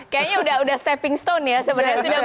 kayaknya udah stepping stone ya sebenarnya